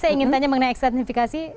saya ingin tanya mengenai ekstentifikasi